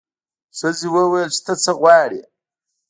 ښځې وویل چې ته څه غواړې.